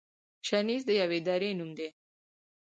شنیز د یوې درې نوم دی.